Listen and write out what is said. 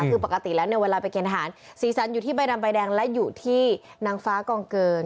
คือปกติแล้วเนี่ยเวลาไปกินอาหารสีสันอยู่ที่ใบดำใบแดงและอยู่ที่นางฟ้ากองเกิน